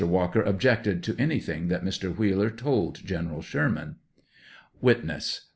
Walker objected to anything that Mr. Wheeler told General Sherman.] Witness.